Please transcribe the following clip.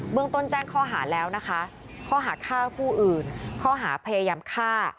เมืองต้นแจ้งข้อหาแล้วนะคะข้อหาฆ่าผู้อื่นข้อหาพยายามฆ่า